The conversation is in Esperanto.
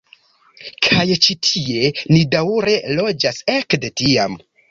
Kaj ĉi tie ni daŭre loĝas ekde tiam.